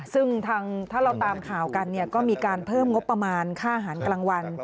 ซึ่งถ้าเราตามข่าวกันเนี่ยก็มีการเพิ่มงบประมาณค่าอาหารกลางวัน